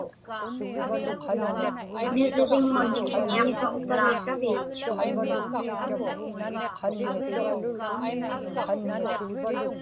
Niġġiviŋmun iḷisukpagi saviit?